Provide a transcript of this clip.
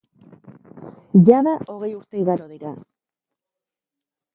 Jada hogei urte igaro dira.